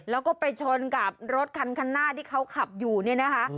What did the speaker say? แล้วก็ไปชนกับรถคันหน้าที่เขาขับอยู่เนี่ยนะคะ